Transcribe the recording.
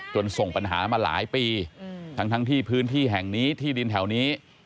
ส่งปัญหามาหลายปีทั้งที่พื้นที่แห่งนี้ที่ดินแถวนี้